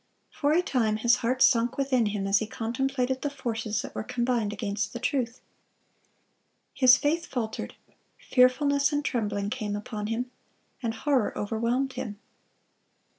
For a time his heart sunk within him as he contemplated the forces that were combined against the truth. His faith faltered; fearfulness and trembling came upon him, and horror overwhelmed him.